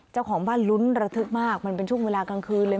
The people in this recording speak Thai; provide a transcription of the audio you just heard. เจ้าของบ้านลุ้นระทึกมากมันเป็นช่วงเวลากลางคืนเลย